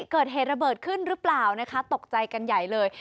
เกิดเหตุระเบิดขึ้นหรือเปล่านะคะตกใจกันใหญ่เลย